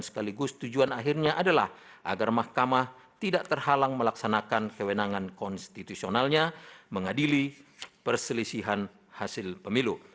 dan sekaligus tujuan akhirnya adalah agar mahkamah tidak terhalang melaksanakan kewenangan konstitusionalnya mengadili perselisihan hasil pemilu